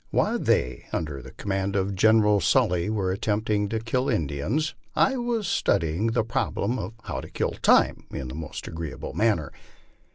While they, under command of Gen eral Sully, were attempting to kill Indians, I was studying the problem of how to kill time in the most agreeable manner.